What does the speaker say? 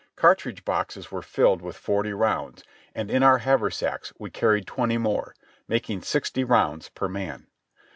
Cartridge boxes were filled with forty rounds, and in our haversacks we carried twenty more, making sixty rounds per man.